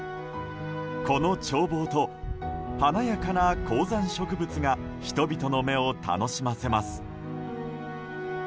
この眺望と華やかな高山植物が人々の目を楽しませます。